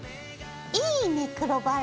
いいね黒バラ。